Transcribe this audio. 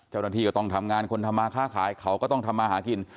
เจ้าหน้าที่ก็ต้องทำงานคนทำมาค้าขายเขาก็ต้องทำมาหากิน